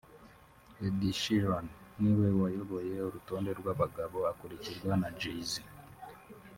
Ed Sheeran ni we wayoboye urutonde rw’abagabo akurikirwa na Jay-Z